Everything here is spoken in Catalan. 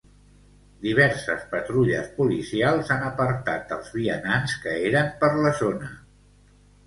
Diverses patrulles policials han apartat els vianants que eren per la zona.